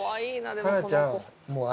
ハナちゃん。